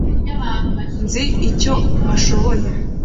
nzi icyo bashoboye